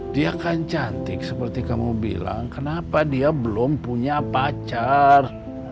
dia kan cantik seperti kamu bilang kenapa dia belum punya pacar